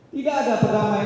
tidak ada perdamaian